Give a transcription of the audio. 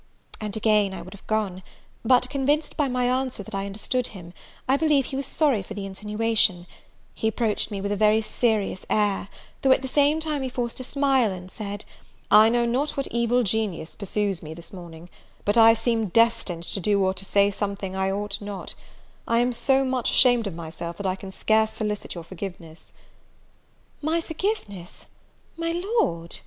And again I would have gone; but, convinced by my answer that I understood him, I believe he was sorry for the insinuation: he approached me with a very serious air, though at the same time he forced a smile, and said, "I know not what evil genius pursues me this morning, but I seem destined to do or to say something I ought not: I am so much ashamed of myself, that I can scarce solicit your forgiveness." "My forgiveness! my Lord?"